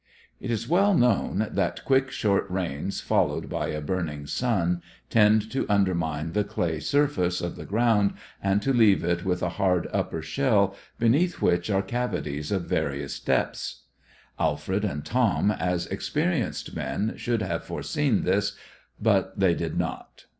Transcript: It is well known that quick, short rains followed by a burning sun tend to undermine the clay surface of the ground and to leave it with a hard upper shell, beneath which are cavities of various depths. Alfred and Tom, as experienced men, should have foreseen this, but they did not.